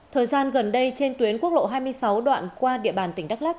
thời gian gần đây trên tuyến quốc lộ hai mươi sáu đoạn qua địa bàn tỉnh đắk lắc